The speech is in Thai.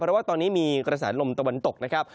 เพราะว่าตอนนี้มีกระแสลมตะวันตกนะครับ